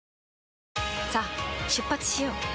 さあ出発しよう。